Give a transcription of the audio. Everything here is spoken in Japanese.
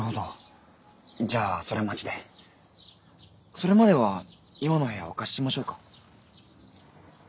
それまでは今の部屋お貸ししましょうか？